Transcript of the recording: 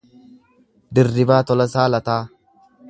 Dirribaa Tolasaa Lataa